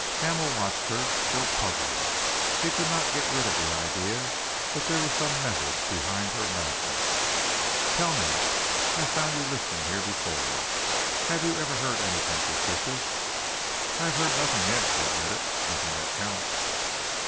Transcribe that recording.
Hamel watched her, still puzzled. He could not get rid of the idea that there was some method behind her madness. "Tell me I have found you listening here before. Have you ever heard anything suspicious?" "I have heard nothing yet," she admitted, "nothing that counts."